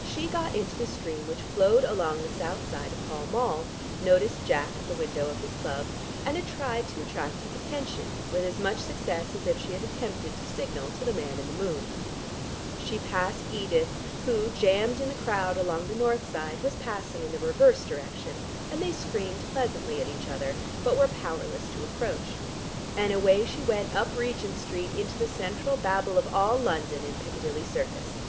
She got into the stream which flowed along the south side of Pall Mall, noticed Jack at the window of his club, and tried to attract his attention with as much success as if she had attempted to signal to the man in the moon. She passed Edith, who, jammed in the crowd along the north side, was passing in the reverse direction; and they screamed pleasantly at each other, but were powerless to approach, and away she went up Regent Street into the central Babel of all London in Piccadilly Circus.